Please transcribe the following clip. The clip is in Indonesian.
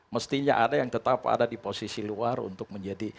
mestinya ada yang tetap ada di posisi luar untuk menjadi